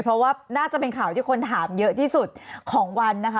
เพราะว่าน่าจะเป็นข่าวที่คนถามเยอะที่สุดของวันนะคะ